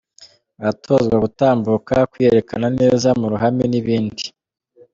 Baratozwa gutambuka, kwiyerekana neza mu ruhame n'ibindi.